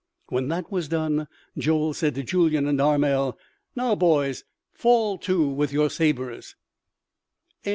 When that was done, Joel said to Julyan and Armel: "Now, boys, fall to with your sabres!"